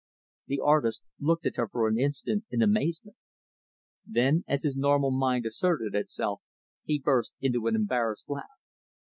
The artist looked at her for an instant, in amazement Then, as his normal mind asserted itself, he burst into an embarrassed laugh.